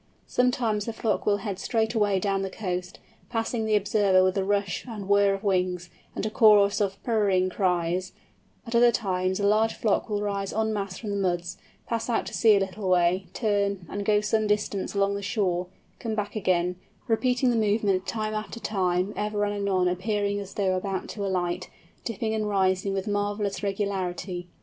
Sometimes the flock will head straight away down the coast, passing the observer with a rush and whirr of wings, and a chorus of purring cries; at other times a large flock will rise en masse from the muds, pass out to sea a little way, turn, and go some distance along the shore, come back again, repeating the movement time after time, ever and anon appearing as though about to alight, dipping and rising with marvellous regularity.